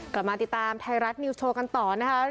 กลับมาติดตามไทยรัฐนิวส์โชว์กันต่อนะคะ